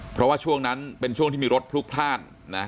เพราะว่าช่วงนั้นเป็นช่วงที่มีรถพลุกพลาดนะ